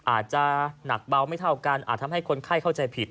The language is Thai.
อาจจะหนักเบาไม่เท่ากันอาจทำให้คนไข้เข้าใจผิด